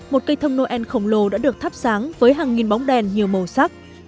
một cây thông noel khổng lồ đã được thắp sáng với hàng nghìn bóng đèn nhiều màu sắc